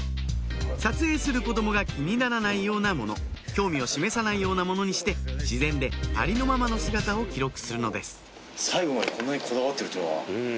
撮影する子供が気にならないようなもの興味を示さないようなものにして自然でありのままの姿を記録するのです